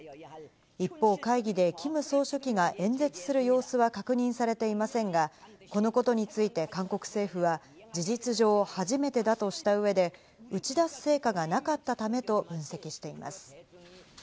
一方、会議でキム総書記が演説する様子は確認されていませんが、このことについて韓国政府は事実上初めてだとした上で打ち出す成果がなかったためと分析しています。